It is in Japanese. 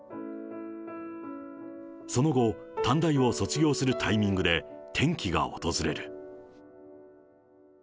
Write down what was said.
その後、短大を卒業するタイミングで、転機が訪れる。